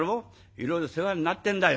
いろいろ世話になってんだよ。